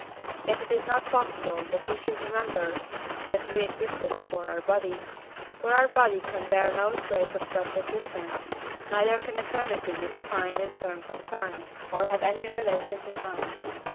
Yet it is not possible that we should remember that we existed before our body, for our body can bear no trace of such existence, neither can eternity be defined in terms of time, or have any relation to time.